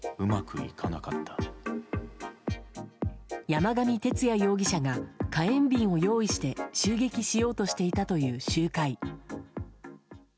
山上徹也容疑者が火炎瓶を用意して襲撃しようとしていたという集会。